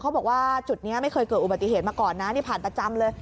บอกว่าจุดนี้ไม่เคยเกิดอุบัติเหตุมาก่อนนะนี่ผ่านประจำเลย